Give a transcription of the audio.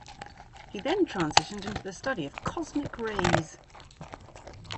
He then transitioned into the study of cosmic rays.